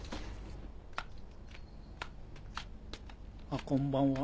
あっこんばんは。